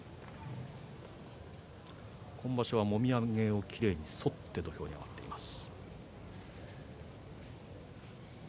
今場所は、もみあげをきれいにそって土俵に上がっています。